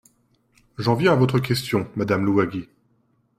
J’en viens à votre question, madame Louwagie.